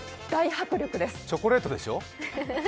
大迫力です。